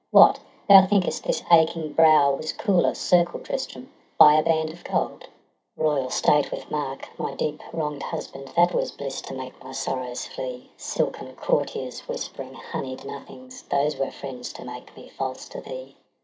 What, thou think'st this aching brow was cooler, Circled, Tristram, by a band of gold? TRISTRAM AND ISEULT. 211 Royal state with Marc, my deep wrong'd husband — That was bliss to make my sorrows flee ! Silken courtiers whispering honied nothings — Those were friends to make me false to thee